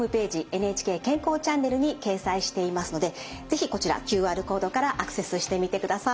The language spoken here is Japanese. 「ＮＨＫ健康チャンネル」に掲載していますので是非こちらＱＲコードからアクセスしてみてください。